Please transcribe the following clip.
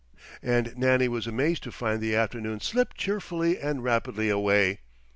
And Nannie was amazed to find the afternoon slip cheerfully and rapidly away.